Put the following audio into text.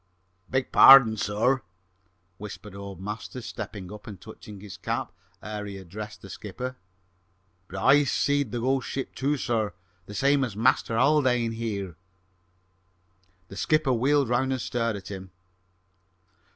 "Beg pardon, sir," whispered old Masters, stepping up and touching his cap ere he addressed the skipper, "but I seed the ghost ship, too, sir, the same as Master Haldane, sir." The skipper wheeled round and stared at him.